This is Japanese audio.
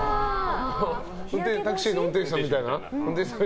タクシーの運転手さんみたいな。